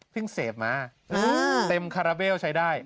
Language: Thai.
เสพมาเต็มคาราเบลใช้ได้